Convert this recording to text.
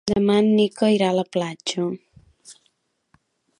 Demà en Nico irà a la platja.